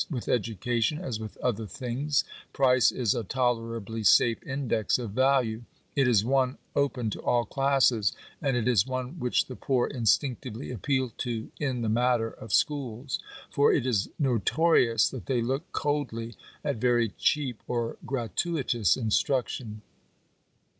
With education, as with other things, price is a tolerably safe index of value ; it is one open to all classes ; and it is one which the poor instinctively appeal to in the matter of schools ; for it is notorious that they look coldly at very cheap or gratuitous instruction.